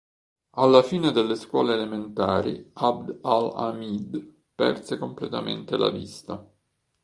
Alla fine delle scuole elementari, ʿAbd al-Ḥamīd perse completamente la vista.